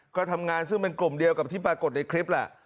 ก็ทำงานซึ่งเป็นกลุ่มเดียวกับที่ปรากฏในคลิปแหละ